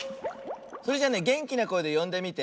それじゃあねげんきなこえでよんでみて。